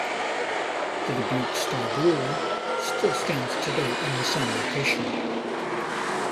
The Dubuque Star Brewery still stands today in the same location.